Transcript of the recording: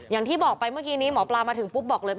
อย่างที่บอกไปเมื่อกี้นี้หมอปลามาถึงปุ๊บบอกเลย